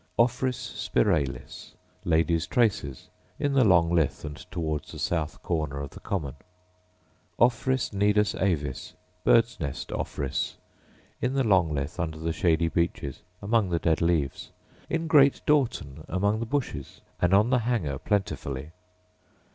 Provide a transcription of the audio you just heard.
Ophrys spiralis, ladies' traces, — in the Long Lith, and towards the south corner of the common. Ophrys nidus avis, birds' nest ophrys, — in the Long Lith under the shady beeches among the dead leaves; in Great Dorton among the bushes, and on the Hanger plentifully.